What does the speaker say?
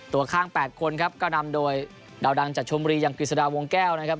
ตัวข้าง๘คนครับก็นำโดยดาวดังจากชมบุรีอย่างกฤษฎาวงแก้วนะครับ